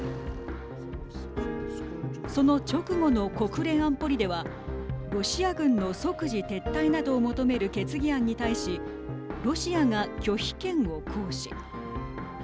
その直後の国連安保理ではロシア軍の即時撤退などを求める決議案に対しロシアが拒否権を行使。